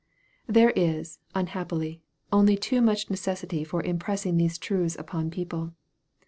There is, unhappily, only too much necessity for im pressing these truths upon people.